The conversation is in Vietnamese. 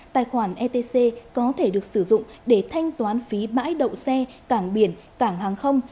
tài khoản etc có thể được sử dụng để thanh toán phí bãi đậu xe cảng biển cảng hàng không